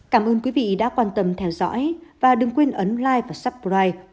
cảm ơn quý vị đã quan tâm theo dõi và đừng quên ấn like và subscribe